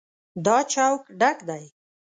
دا چوک ډک دی.